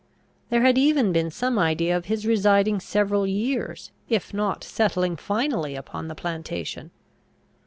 There had even been some idea of his residing several years, if not settling finally, upon the plantation.